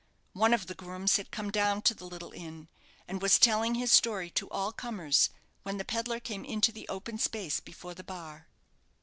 One of the grooms had come down to the little inn, and was telling his story to all comers, when the pedlar came into the open space before the bar.